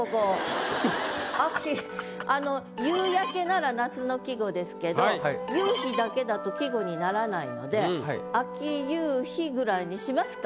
あの「夕焼」なら夏の季語ですけど「夕日」だけだと季語にならないので「秋夕日」ぐらいにしますか？